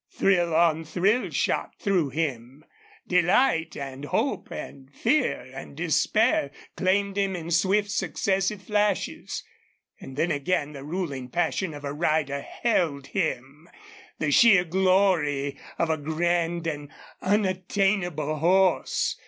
Thrill on thrill shot through him. Delight and hope and fear and despair claimed him in swift, successive flashes. And then again the ruling passion of a rider held him the sheer glory of a grand and unattainable horse.